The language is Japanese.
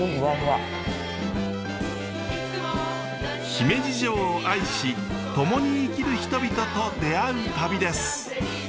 姫路城を愛し共に生きる人々と出会う旅です。